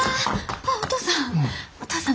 あっお父さん。